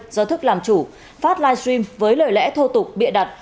do thức làm chủ phát live stream với lời lẽ thô tục bịa đặt